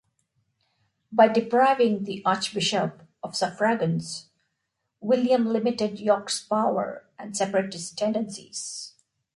By depriving the Archbishop of suffragans, William limited York's power and separatist tendencies.